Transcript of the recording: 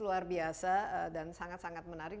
luar biasa dan sangat sangat menarik